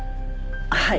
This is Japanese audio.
はい。